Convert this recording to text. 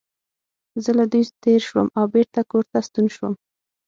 زه له دوی تېر شوم او بېرته کور ته ستون شوم.